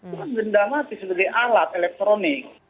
bukan denda mati sebagai alat elektronik